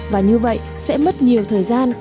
và như vậy sẽ mất nhiều thời gian